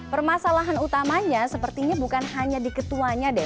permasalahan utamanya sepertinya bukan hanya di ketuanya deh